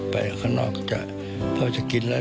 ไปข้างนอกเค้ากิณฑ์เลย